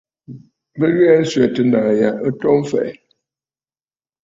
Bɨ ghɛɛ nswɛ̀tə naà ya ɨ to mfɛ̀ʼɛ̀.